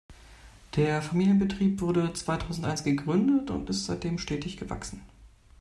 Der Familienbetrieb wurde zweitausendeins gegründet und ist seitdem stetig gewachsen.